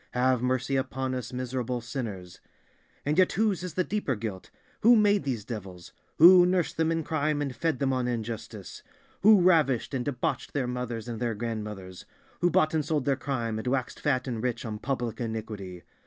Have mercy upon us, miserable sinners! And yet whose is the deeper guilt? Who made these devils? Who nursed them in crime and fed them on injustice? Who ravished and debauched their mothers and their grandmothers? Who bought and sold their crime, and waxed fat and rich on public iniquity?